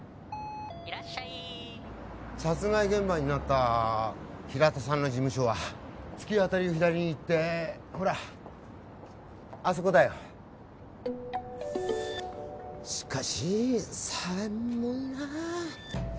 いらっしゃい殺害現場になった平田さんの事務所は突き当たりを左に行ってほらあそこだよしかし寒いなあ